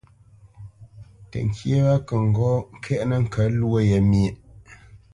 Təŋkyé wa kə ŋgɔ́ ŋkɛ̀ʼnə ŋkə̌t lwó ye myéʼ.